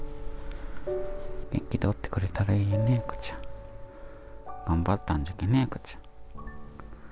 元気でおってくれたらいいね、ふくちゃん、頑張ったんじゃけえね、ふくちゃん。